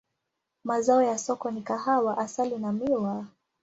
Mazao ya soko ni kahawa, asali na miwa.